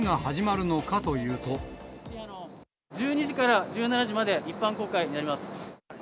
１２時から１７時まで、一般公開になります。